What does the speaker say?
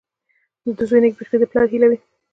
• د زوی نېکبختي د پلار هیله وي.